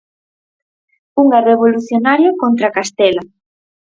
Unha revolucionaria contra Castela.